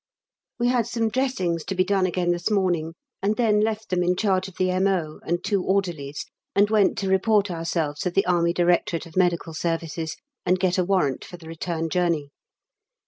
We had some dressings to be done again this morning, and then left them in charge of the M.O. and two orderlies, and went to report ourselves to the A.D.M.S. and get a warrant for the return journey.